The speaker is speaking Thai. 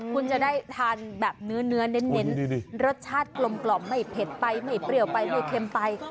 คุณจะได้ทานแบบเนื้อเน้นรสชาติกลมไม่เผ็ดไปไม่เปรี้ยวไปไม่เค็มไป